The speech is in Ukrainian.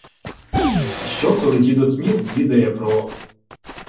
— А що, коли дідо Сміл відає про...